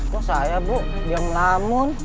kok saya bu diang lamun